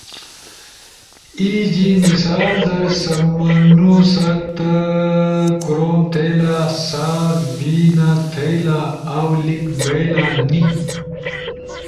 [ای جی۔ مثال در سمنو ست کوروم تھئیلا سا وینا تھئیلا اؤ لیک بئیلا نی ]